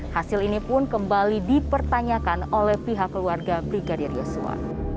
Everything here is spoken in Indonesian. hasil ini pun kembali dipertanyakan oleh pihak keluarga brigadir yosua